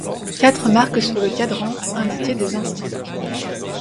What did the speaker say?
Quatre marques sur le cadran indiquaient des instants.